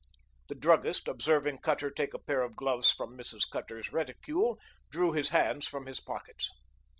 The druggist, observing Cutter take a pair of gloves from Mrs. Cutter's reticule, drew his hands from his pockets.